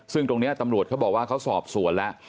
ซึ่งตรงนี้ตำรวจเขาบอกว่าเขาสอบสวนแล้ว